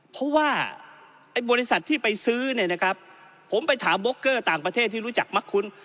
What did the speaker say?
เพราะว่าไอ้บริษัทที่ไปซื้อเนี่ยนะครับผมไปถามโบกเกอร์ต่างประเทศที่รู้จักมักคุ้น